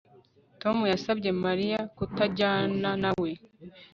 Tom yasabye Mariya kutajyana nawe